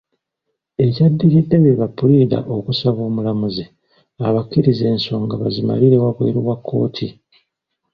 Ekyaddiridde be bapuliida okusaba omulamuzi abakkirize ensonga bazimalire wabweru wa kkooti.